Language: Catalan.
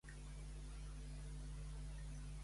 Un cràter a Mercuri porta en el seu honor el seu nom.